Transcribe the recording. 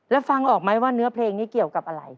แล้วฟังออกไหมว่าเนื้อเพลงนี้เกี่ยวกับอะไร